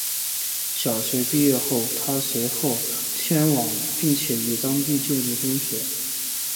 小学毕业后她随后迁往并且于当地就读中学。